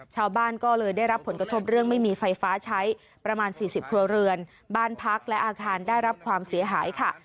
ชาวบ้านก็เลยได้รับผลกระทบเรื่องไม่มีไฟฟ้าใช้ประมาณ๔๐ครัวเรือนบ้านพักและอาคารได้รับความเสียหายค่ะ